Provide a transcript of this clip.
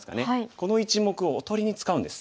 この１目をおとりに使うんです。